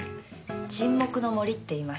『沈黙の森』っていいます。